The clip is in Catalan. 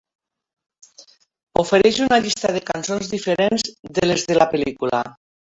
Ofereix una llista de cançons diferents de les de la pel·lícula.